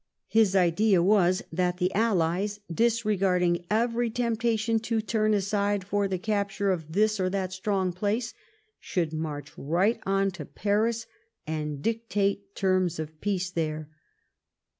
His idea was that the allies, disregarding every temptation to turn aside for the capture of this or that strong place, should march right on to Paris and dictate terms of peace there.